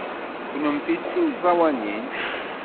Kennemti d timẓawanin?